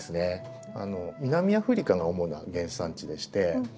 南アフリカが主な原産地でして。